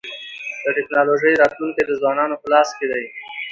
د ټکنالوژی راتلونکی د ځوانانو په لاس کي دی.